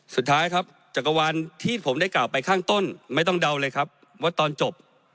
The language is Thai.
สุดท้ายครับจักรวาลที่ผมได้กล่าวไปข้างต้นไม่ต้องเดาเลยครับว่าตอนจบ